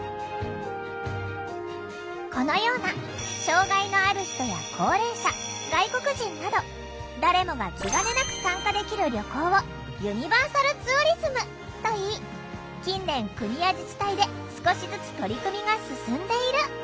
このような障害のある人や高齢者外国人など誰もが気がねなく参加できる旅行を「ユニバーサルツーリズム」といい近年国や自治体で少しずつ取り組みが進んでいる。